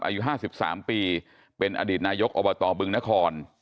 อายุ๕๓ปีเป็นอดีตนายกอบตบึงนคร